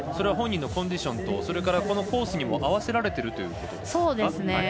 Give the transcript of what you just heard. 本人のコンディションとコースにも合わせられているということですね。